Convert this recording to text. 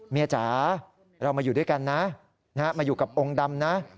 จ๋าเรามาอยู่ด้วยกันนะมาอยู่กับองค์ดำนะ